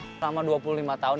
selama dua puluh lima tahun